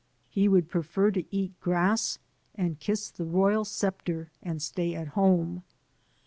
He would prefer to eat grass and kiss the royal scepter and stay at home.